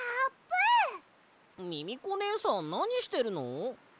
ミミコねえさんなにしてるの？